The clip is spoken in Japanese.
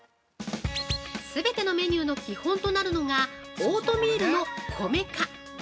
全てのメニューの基本となるのが、オートミールの米化。